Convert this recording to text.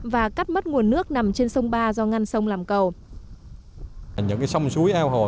và cắt mất nguồn nước nằm trên sông ba do ngăn sông làm cầu